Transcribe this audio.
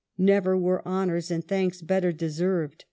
Never were honoura and thanks better deserved.